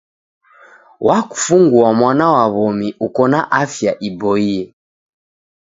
Wakufungua mwana wa w'omi uko na afya iboie.